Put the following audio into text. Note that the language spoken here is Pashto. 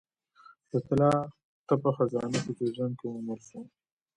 د طلا تپه خزانه په جوزجان کې وموندل شوه